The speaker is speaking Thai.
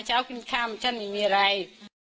ก็เลยว่าพี่อย่าเพิ่งทำฉันเลย